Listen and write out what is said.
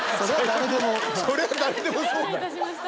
そりゃ、誰でもそうだよ。